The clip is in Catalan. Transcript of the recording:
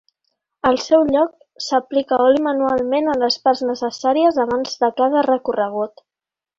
Al seu lloc, s'aplica oli manualment a les parts necessàries abans de cada recorregut.